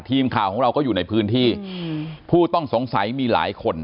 ทีมข่าวของเราก็อยู่ในพื้นที่ผู้ต้องสงสัยมีหลายคน